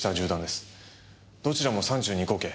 どちらも３２口径。